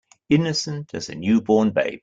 Innocent as a new born babe.